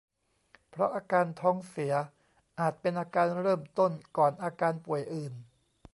เพราะอาการท้องเสียอาจเป็นอาการเริ่มต้นก่อนอาการป่วยอื่น